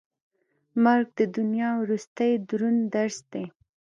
مرګ د دنیا وروستی دروند درس دی.